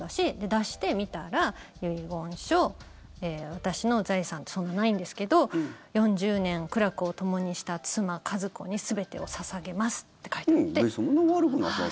出して、見たら遺言書、私の財産そんなにないんですけど４０年苦楽をともにした妻カズコに全てを捧げますってそんなに悪くなさそう。